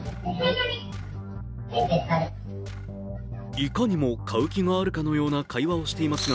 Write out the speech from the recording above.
いかにも買う気があるかのような会話をしていますが